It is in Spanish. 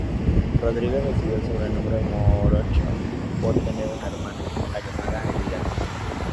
Rodríguez recibió el sobrenombre "morocho", por tener una hermana gemela llamada Alida.